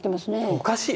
おかしい。